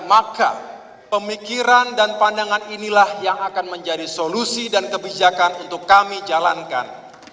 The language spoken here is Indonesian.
maka pemikiran dan pandangan inilah yang akan menjadi solusi dan kebijakan untuk kami jalankan